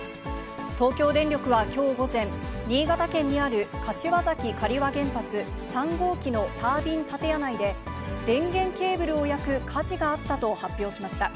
東京電力はきょう午前、新潟県にある柏崎刈羽原発３号機のタービン建屋内で、電源ケーブルを焼く火事があったと発表しました。